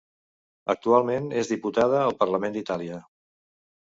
Actualment és diputada al Parlament d'Itàlia.